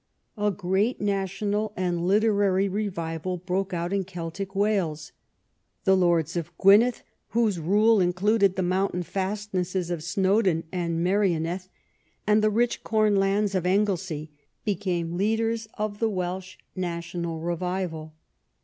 A great national and literary revival broke out in Celtic Wales. The lords of Gwynedd, whose rule included the mountain fastnesses of Snowdon and Merioneth and the rich corn lands of Anglesey, became the leaders of the Welsh national revival.